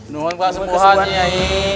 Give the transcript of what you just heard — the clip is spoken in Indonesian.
nyungun kena kesembuhan nyai